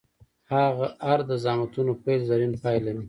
هر د زخمتونو پیل، زرین پای لري.